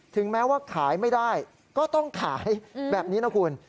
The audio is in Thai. ถึงแม้ว่าขายไม่ได้ก็ต้องขายแบบนี้นะคุณ